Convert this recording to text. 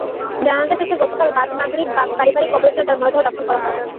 জানাজা শেষে গতকাল বাদ মাগরিব পারিবারিক কবরস্থানে তাঁর মরদেহ দাফন করা হয়।